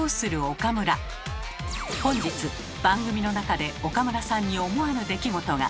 本日番組の中で岡村さんに思わぬ出来事が。